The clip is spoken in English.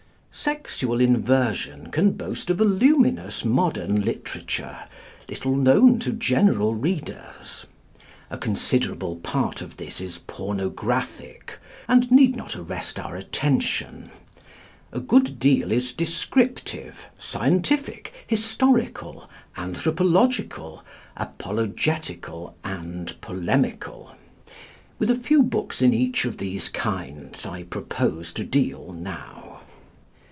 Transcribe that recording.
Sexual inversion can boast a voluminous modern literature, little known to general readers. A considerable part of this is pornographic, and need not arrest our attention. A good deal is descriptive, scientific, historical, anthropological, apologetical and polemical. With a few books in each of these kinds I propose to deal now.